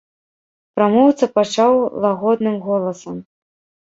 Прамоўца пачаў лагодным голасам.